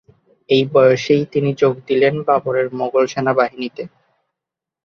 এই বয়সেই তিনি যোগ দিলেন বাবরের মোগল সেনাবাহিনীতে।